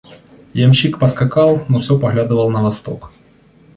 Ямщик поскакал; но все поглядывал на восток.